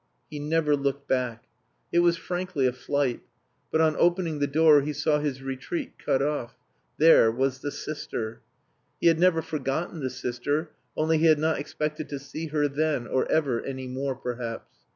He never looked back. It was frankly a flight. But on opening the door he saw his retreat cut off: There was the sister. He had never forgotten the sister, only he had not expected to see her then or ever any more, perhaps.